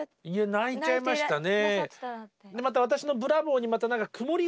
泣いちゃいましたね。